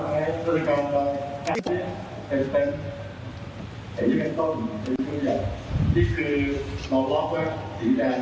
นี่คือเรารับว่าสีแดงก็เอา